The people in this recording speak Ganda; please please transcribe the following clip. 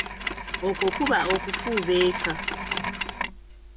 Okwo kuba okufubeeka.